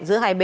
giữa hai bên